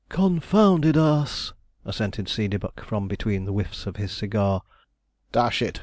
'Confounded ass,' assented Seedeybuck, from between the whiffs of his cigar. 'Dash it!